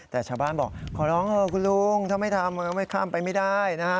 แต่ชาวบ้านบอกขอร้องเถอะคุณลุงถ้าไม่ทำก็ไม่ข้ามไปไม่ได้นะฮะ